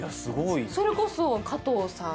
それこそ加藤さん。